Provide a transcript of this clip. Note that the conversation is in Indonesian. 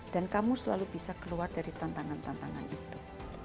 dan kamu selalu bisa keluar dari tantangan tantangan itu